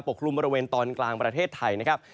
กลุ่มบริเวณตอนกลางประเทศไทยนะครับ